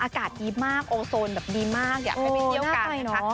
อากาศดีมากโอโซนแบบดีมากอยากให้ไปเที่ยวกันนะคะ